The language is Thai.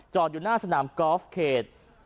อยู่หน้าสนามกอล์ฟเขต